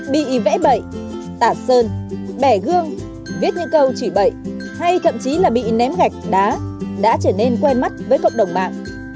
bị vẽ bậy tạt sơn bẻ gương viết những câu chỉ bậy hay thậm chí là bị ném gạch đá đã trở nên quen mắt với cộng đồng mạng